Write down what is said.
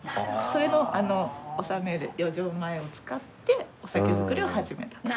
それの納める余剰米を使ってお酒造りを始めたと。